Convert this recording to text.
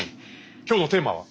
今日のテーマは？